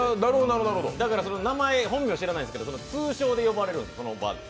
だから、本名知らないんですけど通称で呼ばれてたんです。